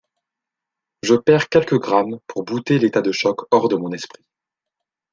Je perds quelques grammes pour bouter l’état de choc hors de mon esprit.